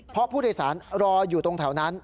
เพราะผู้โดยสารรออยู่ตรงแถวนั้น